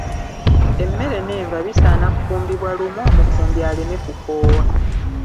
Emmere n’enva bisaana kufumbibwa lumu omufumbi aleme kukoowa.